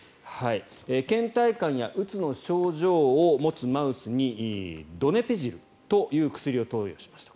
けん怠感やうつの症状を持つマウスにドネペジルという薬を投与しました。